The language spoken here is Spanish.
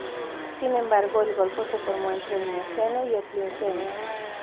Sin embargo, el golfo se formó entre el Mioceno y el Plioceno.